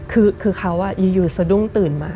คือเขาอยู่สะดุ้งตื่นมา